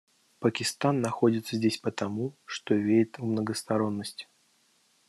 Пакистан находится здесь потому, что верит в многосторонность.